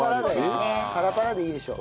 パラパラでいいでしょ。